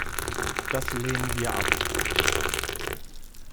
Das lehnen wir ab!